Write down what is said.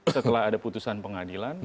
setelah ada putusan pengadilan